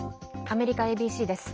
アメリカＡＢＣです。